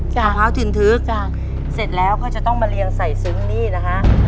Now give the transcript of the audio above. มะพร้าวถิ่นทึกจ้ะเสร็จแล้วก็จะต้องมาเรียงใส่ซึ้งนี่นะฮะ